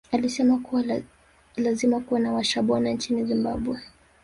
Aisema kuwa lazima kuwe na washona nchini Zimbabwe